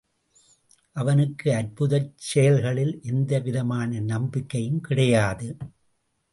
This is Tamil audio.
அவனுக்கு அற்புதச் செயல்களில் எந்த விதமான நம்பிக்கையும் கிடையாது.